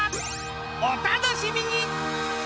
［お楽しみに！］